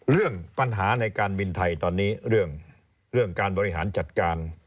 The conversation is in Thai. เรื่องปัญหาในการบินไทยตอนนี้เรื่องการบริหารจัดการ